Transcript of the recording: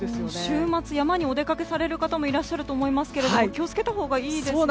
週末、山にお出かけされる方もいらっしゃると思いますが気を付けたほうがいいですね。